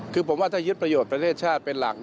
คือผมว่าถ้ายึดประโยชน์ประเทศชาติเป็นหลัก